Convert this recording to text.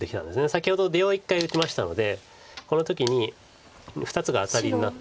先ほど出を一回打ちましたのでこの時に２つがアタリになって。